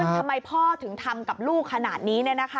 ทำไมพ่อถึงทำกับลูกขนาดนี้